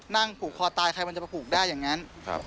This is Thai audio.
ผูกคอตายใครมันจะมาผูกได้อย่างนั้น